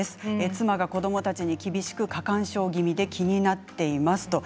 妻が子どもたちに厳しく過干渉気味で気になっています。